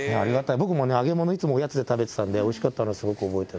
僕も揚げ物、いつもおやつで食べてたんで、おいしかったの、すごく覚えてる。